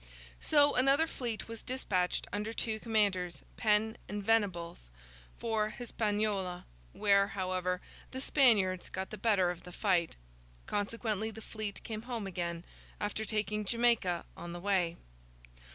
So, another fleet was despatched under two commanders, Penn and Venables, for Hispaniola; where, however, the Spaniards got the better of the fight. Consequently, the fleet came home again, after taking Jamaica on the way.